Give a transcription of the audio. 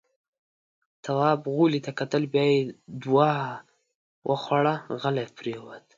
تواب غولي ته کتل. بيا يې دوا وخوړه، غلی پرېووت.